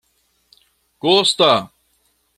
Kosta!